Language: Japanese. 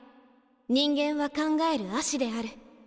人間は考える葦である。